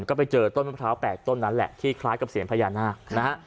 ก็ไปเจอต้นมะพร้าวแปลกต้นนั้นแหละที่คล้ายกับเสียงพญานาคนะฮะ